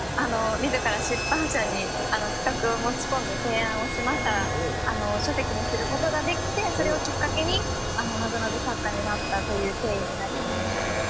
自ら出版社に企画を持ち込んで提案をしましたら書籍にすることができてそれをきっかけになぞなぞ作家になったという経緯になります。